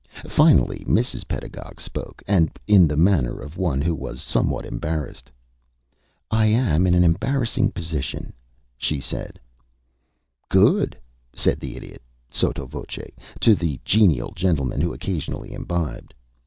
Finally Mrs. Pedagog spoke, and in the manner of one who was somewhat embarrassed. "I am in an embarrassing position," said she. "Good!" said the Idiot, sotto voce, to the genial gentleman who occasionally imbibed.